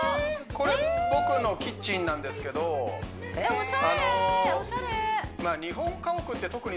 これ僕のキッチンなんですけどえっおしゃれ！